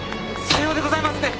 さようでございますね